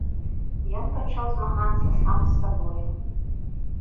Ён пачаў змагацца сам з сабою.